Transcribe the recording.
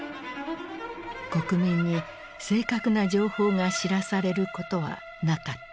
国民に正確な情報が知らされることはなかった。